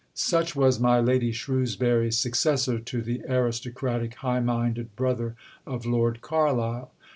Such was my Lady Shrewsbury's successor to the aristocratic, high minded brother of Lord Carlisle.